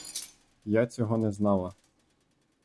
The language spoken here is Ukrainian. Я цього не знала.